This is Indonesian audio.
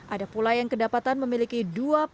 ada pula yang kedapatan memiliki dua plat kendaraan berbeda